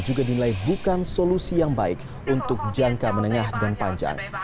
juga dinilai bukan solusi yang baik untuk jangka menengah dan panjang